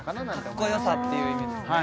かっこよさっていう意味でですね